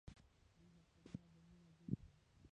دوی مکتبونه او بندونه جوړ کړل.